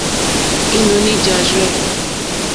Ínɔ̀ní jâ rzɛ̂.